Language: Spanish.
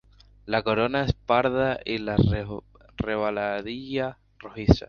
La corona es parda, y la rabadilla rojiza.